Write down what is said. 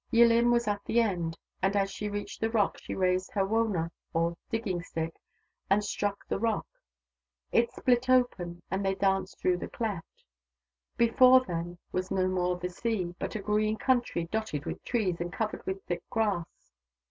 Yillin was at the end, and as she reached the rock she raised her Wona, or digging stick, and struck the rock. It split open, and they danced through the cleft. Before them was no more the Sea, but a green country dotted with trees, and covered with thick grass.